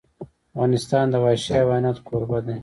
افغانستان د وحشي حیوانات کوربه دی.